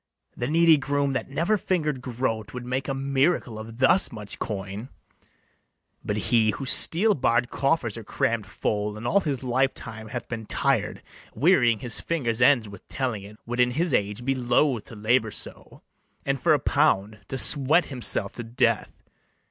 The needy groom, that never finger'd groat, Would make a miracle of thus much coin; But he whose steel barr'd coffers are cramm'd full, And all his life time hath been tired, Wearying his fingers' ends with telling it, Would in his age be loath to labour so, And for a pound to sweat himself to death.